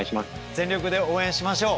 全力で応援しましょう。